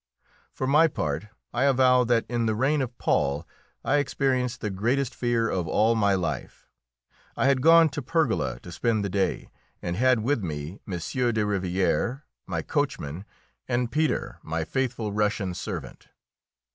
For my part, I avow that in the reign of Paul I experienced the greatest fear of all my life. I had gone to Pergola to spend the day, and had with me M. de Rivière, my coachman, and Peter, my faithful Russian servant.